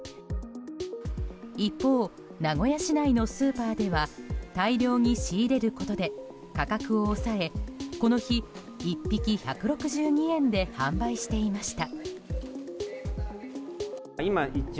一方、名古屋市内のスーパーでは大量に仕入れることで価格を抑えこの日１匹１６２円で販売していました。